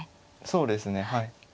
そうですねはい。